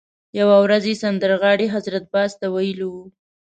یوه ورځ یې سندرغاړي حضرت باز ته ویلي وو.